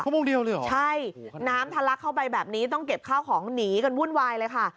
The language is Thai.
โมงเดียวเลยเหรอใช่น้ำทะลักเข้าไปแบบนี้ต้องเก็บข้าวของหนีกันวุ่นวายเลยค่ะ